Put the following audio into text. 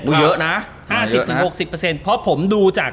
๕๐ถึง๖๐เปอร์เซ็นต์เพราะผมดูจาก